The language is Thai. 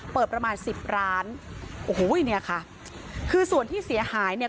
ประมาณสิบร้านโอ้โหเนี่ยค่ะคือส่วนที่เสียหายเนี่ย